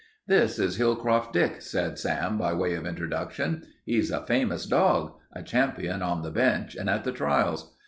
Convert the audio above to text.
"This is Hillcroft Dick," said Sam, by way of introduction. "He's a famous dog, a champion on the bench and at the trials.